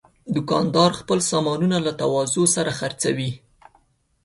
دوکاندار خپل سامانونه له تواضع سره خرڅوي.